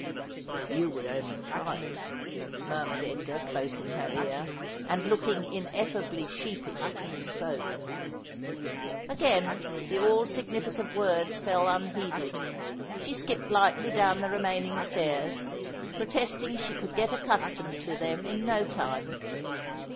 ' If you would only try it,' murmured Edgar close in her ear, and looking ineffably sheepish as he spoke. Again the all significant words fell unheeded. She skipped lightly down the remaining stairs, protesting she could get accus tomed to them in no time.